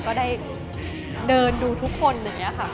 ก็ได้เดินดูทุกคนอย่างนี้ค่ะ